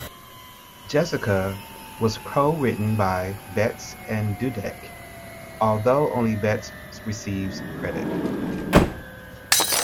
"Jessica" was co-written by Betts and Dudek, although only Betts receives credit.